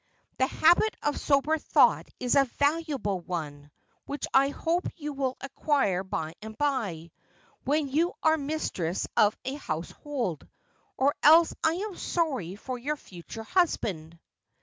' The habit of sober thought is a valuable one, which I hope you will acquire by and by, when you are mistress of a house hold ; or else I am sorry for your future husband.'